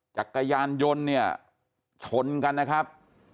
จักรยานยนต์เนี่ยชนกันนะครับ